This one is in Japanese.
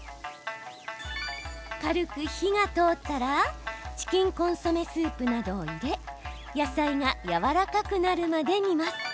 軽く火が通ったらチキンコンソメスープなどを入れ野菜がやわらかくなるまで煮ます。